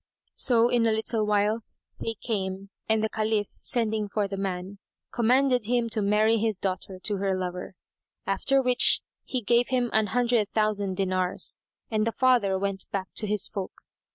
So, in a little while, they came and the Caliph, sending for the man, commanded him to marry his daughter to her lover; after which he gave him an hundred thousand dinars, and the father went back to his folk.